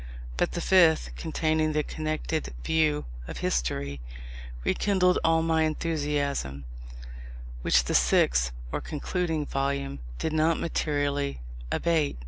But the fifth, containing the connected view of history, rekindled all my enthusiasm; which the sixth (or concluding) volume did not materially abate.